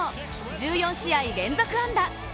１４試合連続安打。